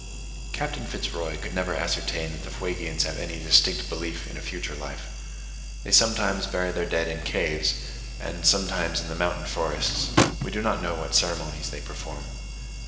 Captain Fitz Roy could never ascertain that the Fuegians have any distinct belief in a future life. They sometimes bury their dead in caves, and sometimes in the mountain forests; we do not know what ceremonies they perform.